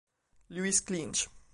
Lewis Clinch